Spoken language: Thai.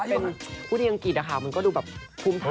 เป็นผู้ที่อังกฤษนะคะมันก็ดูแบบภูมิฐาน